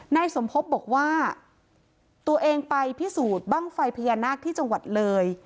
นายสมภพบอกว่าตัวเองไปพิสูจน์บ้างไฟพญานาคที่จังหวัดเลย